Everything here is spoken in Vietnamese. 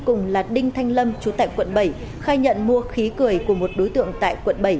cùng là đinh thanh lâm chú tại quận bảy khai nhận mua khí cười của một đối tượng tại quận bảy